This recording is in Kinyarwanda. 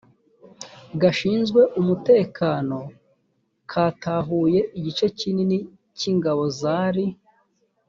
gashinzwe umutekano katahuye igice kinini k ingabo zari